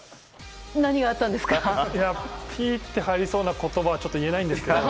いや、ピーって入りそうな言葉はちょっと言えないんですけど。